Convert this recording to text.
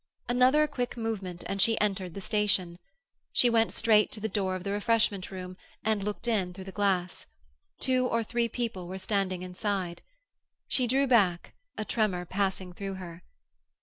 Another quick movement, and she entered the station. She went straight to the door of the refreshment room, and looked in through the glass. Two or three people were standing inside. She drew back, a tremor passing through her.